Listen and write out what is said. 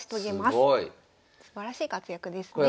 すばらしい活躍ですね。